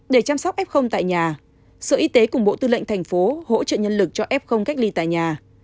để chăm sóc f tại nhà sở y tế cùng bộ tư lệnh thành phố hỗ trợ nhân lực cho f cách ly tại nhà